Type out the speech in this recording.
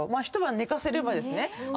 一晩寝かせればですね。